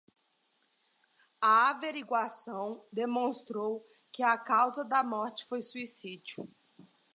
A averiguação demonstrou que a causa da morte foi suicídio